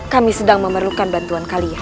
kami sedang memerlukan bantuan kalian